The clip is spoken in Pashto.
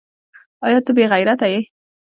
ایا ته بې غیرته یې ؟